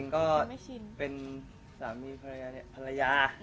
ขอบคุณค่ะ